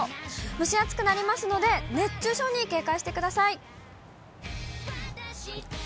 蒸し暑くなりますので、熱中症に警戒してください。